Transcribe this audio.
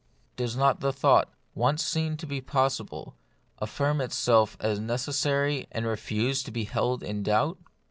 Does not the thought, once seen to be possible, affirm itself as necessary, and refuse to be held in doubt